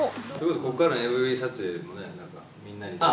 こっからのＭＶ撮影でも、みんなで。